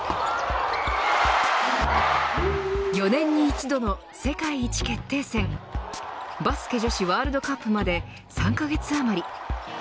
４年に一度の世界一決定戦バスケ女子ワールドカップまで３カ月余り。